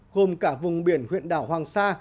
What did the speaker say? gồm cả vùng biển huyện đảo hoàng sa